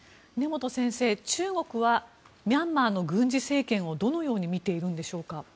根本先生、中国はミャンマーの軍事政権をどのように見ているんでしょうか？